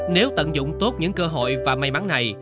nếu tận dụng tốt những cơ hội và may mắn này